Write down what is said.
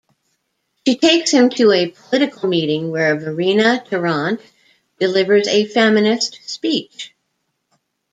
She takes him to a political meeting where Verena Tarrant delivers a feminist speech.